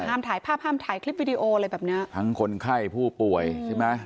ถ่ายภาพห้ามถ่ายคลิปวิดีโออะไรแบบเนี้ยทั้งคนไข้ผู้ป่วยใช่ไหม